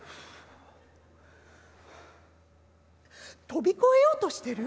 「飛び越えようとしてる？